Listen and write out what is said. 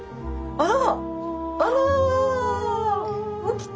あら！